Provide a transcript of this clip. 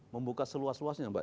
membuka seluas luasnya mbak